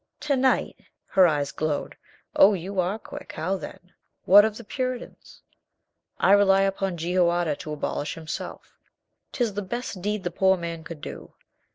"To night?" Her eyes glowed. "Oh, you are quick. How, then? What of the Puritans?" "I rely upon Jehoiada to abolish himself. 'Tis the best deed the poor man could do.